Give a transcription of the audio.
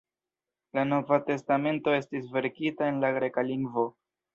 La Nova Testamento estis verkita en la greka lingvo.